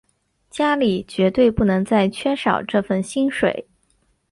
家里绝对不能再缺少这份薪水